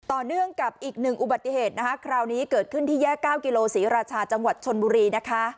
ต่อเนื่องกับอีกหนึ่งอุบัติเหตุนะคะคราวนี้เกิดขึ้นที่แยกเก้ากิโลศรีราชาจังหวัดชนบุรีนะคะ